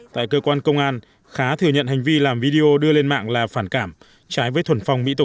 tại cơ quan công an khá thừa nhận hành vi làm video đưa lên mạng là phản cảm trái với thuần phong mỹ tục